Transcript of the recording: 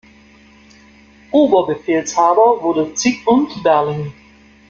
Oberbefehlshaber wurde Zygmunt Berling.